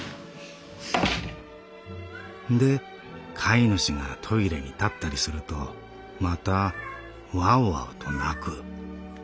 「で飼い主がトイレに立ったりするとまたワオワオと鳴く。